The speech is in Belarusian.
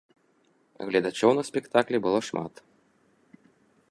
Гледачоў на спектаклі было шмат.